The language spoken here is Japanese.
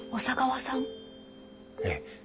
ええ。